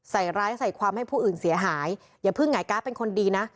ใส่ร้ายใส่ความให้ผู้อื่นเสียหายอย่าเพิ่งหงายการ์ดเป็นคนดีนะ